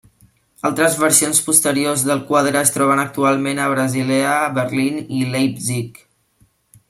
Altres versions posteriors del quadre es troben actualment a Basilea, Berlín i Leipzig.